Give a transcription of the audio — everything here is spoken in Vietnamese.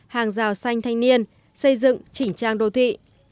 hàng rào xanh thanh niên xây dựng chỉnh trang đô thị